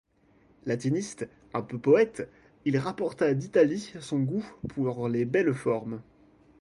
Latiniste, un peu poète, il rapporta d'Italie son goût pour les belles formes.